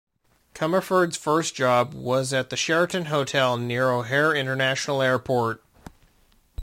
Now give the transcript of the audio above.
Comerford's first job was at the Sheraton Hotel near O'Hare International Airport.